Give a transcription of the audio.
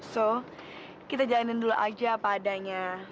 so kita jalanin dulu aja apa adanya